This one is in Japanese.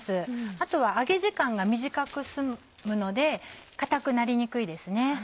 あとは揚げ時間が短く済むので硬くなりにくいですね。